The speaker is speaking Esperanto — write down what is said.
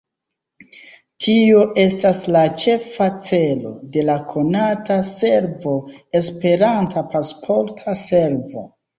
Tio estas la ĉefa celo de la konata servo esperanta Pasporta Servo.